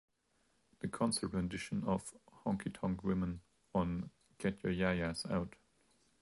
The concert rendition of "Honky Tonk Women" on "Get Yer Ya-Ya's Out!